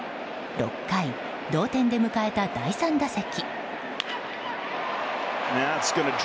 ６回、同点で迎えた第３打席。